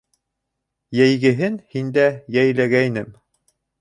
Йәйгенәһен һиндә йәйләгәйнем